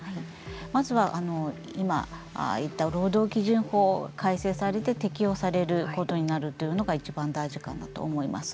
まずは今、言った労働基準法、改正されて適用されることになるというのがいちばん大事かなと思います。